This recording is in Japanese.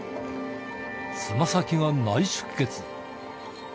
つま先が内出血。